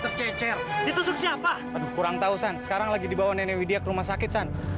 tercecer itu siapa kurang tahu sekarang lagi dibawa nenek widya ke rumah sakit